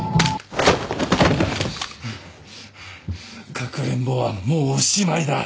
かくれんぼうはもうおしまいだ。